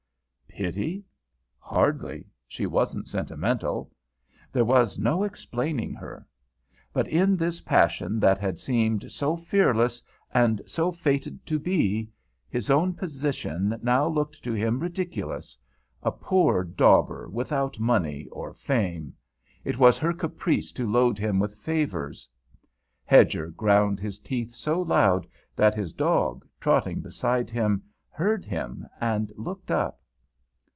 Pity? Hardly; she wasn't sentimental. There was no explaining her. But in this passion that had seemed so fearless and so fated to be, his own position now looked to him ridiculous; a poor dauber without money or fame, it was her caprice to load him with favours. Hedger ground his teeth so loud that his dog, trotting beside him, heard him and looked up.